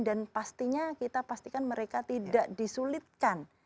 dan pastinya kita pastikan mereka tidak disulitkan